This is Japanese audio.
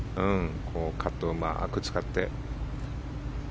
カットをうまく使って。